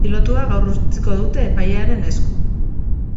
Atxilotua gaur utziko dute epailearen esku.